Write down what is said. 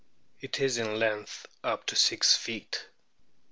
It is in length up to six feet.